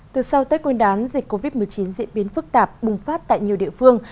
từ sau tết quyên đán dịch covid một mươi chín diễn biến phức tạp bùng phát tại nhiều địa phương